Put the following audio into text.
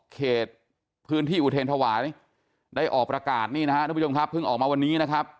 เขตพื้นที่อุทธินธวายได้ออกประกาศนี่นะครับพึ่งออกมาวันนี้นะครับ